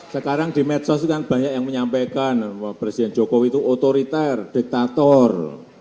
sekarang di medsos kan banyak yang menyampaikan bahwa presiden jokowi itu otoriter diktator